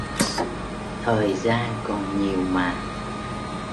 thời gian còn nhiều mà